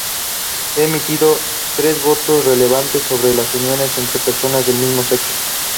Ha emitido tres votos relevantes sobre las uniones entre personas del mismo sexo.